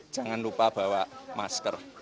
jangan lupa bawa masker